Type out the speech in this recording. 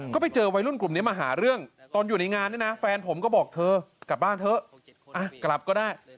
ก็ไปเจอวัยรุ่นกลุ่มนี้มาหาเรื่องตอนอยู่ในงานเนี่ยนะแฟนผมก็บอกเธอกลับบ้านเถอะกลับก็ได้